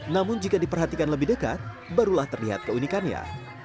namun jika diperhatikan lebih dekat barulah terlihat keunikannya